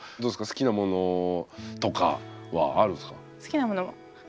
好きなものとかはあるんすか？